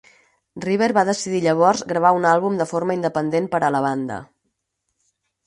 River va decidir llavors gravar un àlbum de forma independent per a la banda.